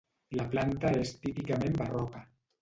La planta és típicament barroca.